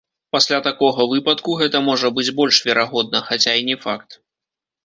Пасля такога выпадку гэта можа быць больш верагодна, хаця і не факт.